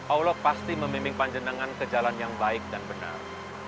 allah pasti membimbing panjenengan ke jalan yang baik dan benar